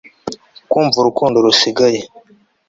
kumva urukundo rusigaye